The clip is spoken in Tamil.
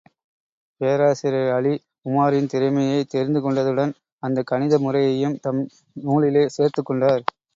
பேராசிரியர் அலி, உமாரின் திறமையைத் தெரிந்து கொண்டதுடன், அந்தக் கணித முறையையும் தம் நூலிலே சேர்த்துக் கொண்டார்.